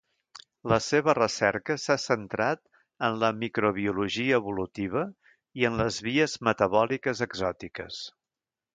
La seva recerca s'ha centrat en la microbiologia evolutiva i en les vies metabòliques exòtiques.